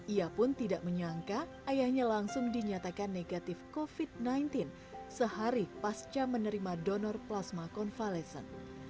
ia pun tidak menyangka ayahnya langsung dinyatakan negatif covid sembilan belas sehari pasca menerima donor plasma konvalesen